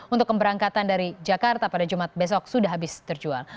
untuk keberangkatan dari jakarta pada jumat besok sudah habis terjual